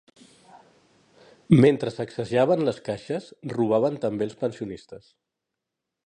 Mentre saquejaven les caixes, robaven també els pensionistes.